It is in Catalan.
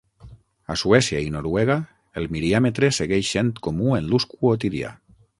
A Suècia i Noruega, el "miriàmetre" segueix sent comú en l'ús quotidià.